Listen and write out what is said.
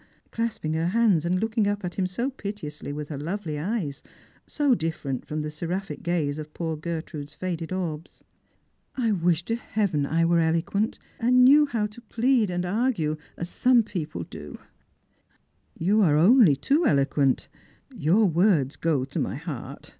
clasping her hands, and looking up at him so piteously with her lovely eyes, so diSerent from the seraphic gaze of poor Gertrude's faded orbs. " I wish to Heavf r X were eloquent, and krew how to plead and argue as some i j^ ia do" Strangers and Pilgrimit. 141 "You are only too eloquent; your words go to my heart.